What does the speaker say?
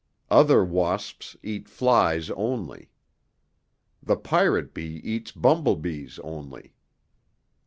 Others wasps eat flies only. The pirate bee eats bumblebees only.